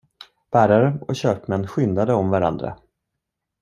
Bärare och köpmän skyndade om varandra.